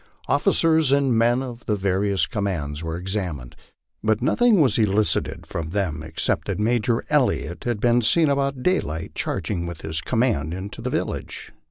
Officers and men of the LIFE ON THE PLAINS. 175 various commands were examined, but nothing was elicited from them except that Major Elliott had been seen about daylight charging with his command into the village.